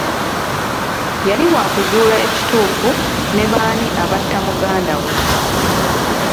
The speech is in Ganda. Yali wakuzuula ekituufu ne b'ani abatta muganda we.